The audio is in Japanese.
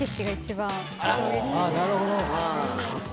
なるほど。